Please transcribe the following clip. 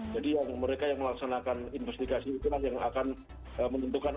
jadi mereka yang melaksanakan investigasi itu yang akan menentukan